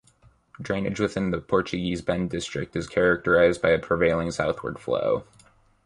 Drainage within the Portuguese Bend district is characterized by a prevailing southward flow.